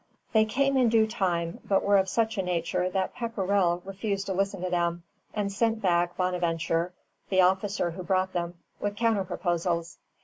] They came in due time, but were of such a nature that Pepperrell refused to listen to them, and sent back Bonaventure, the officer who brought them, with counter proposals.